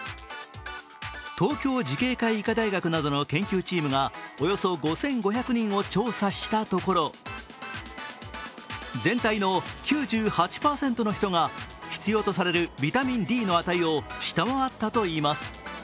東京慈恵会医科大学などの研究チームがおよそ５５００人を調査したところ全体の９８％の人が必要とされるビタミンＤの値を下回ったといいます。